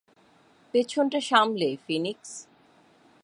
পেছনটা সামলে, ফিনিক্স।